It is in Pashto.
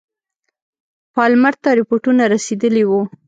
پالمر ته رپوټونه رسېدلي وه.